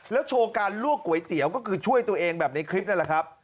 โชว์การลวกก๋วยเตี๋ยวก็คือช่วยตัวเองแบบในคลิปนั่นแหละครับ